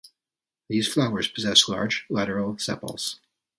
These flowers possess large lateral sepals.